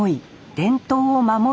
伝統を守る